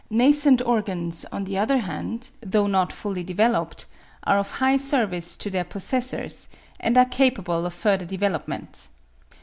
Nascent organs, on the other hand, though not fully developed, are of high service to their possessors, and are capable of further development.